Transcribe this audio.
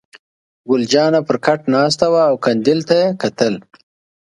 ګل جانه پر کټ ناسته وه او قندیل ته یې کتل.